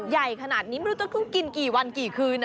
ใหญ่ขนาดนี้ไม่รู้จะเพิ่งกินกี่วันกี่คืน